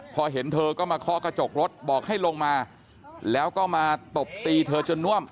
พอเห็นเธอก็มาเคาะกระจกรถบอกให้ลงมาแล้วก็มาตบตีเธอจนน่วม